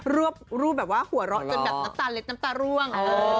รูปแบบว่าหัวเราะจนแบบน้ำตาลเล็ดน้ำตาร่วง